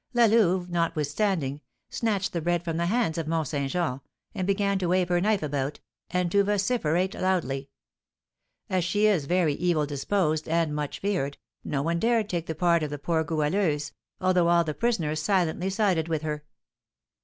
La Louve, notwithstanding, snatched the bread from the hands of Mont Saint Jean, and began to wave her knife about, and to vociferate loudly. As she is very evil disposed and much feared, no one dared take the part of the poor Goualeuse, although all the prisoners silently sided with her."